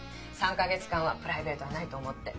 ３か月間はプライベートはないと思って。